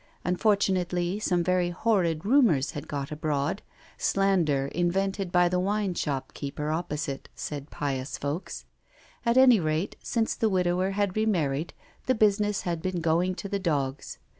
Unfortunately, some very horrid rumours had got abroad slander invented by the wine shop keeper opposite, said pious folks. At any rate, since the widower had re married, the business had been going to the dogs.